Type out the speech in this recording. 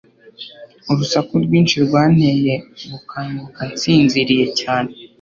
Urusaku rwinshi rwanteye gukanguka nsinziriye cyane